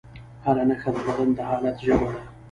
هره نښه د بدن د حالت ژبه ده.